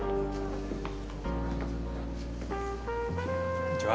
こんにちは。